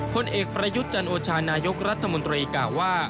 ผลเอกประยุทธ์จันโอชานายกรัฐมนตรีกล่าวว่า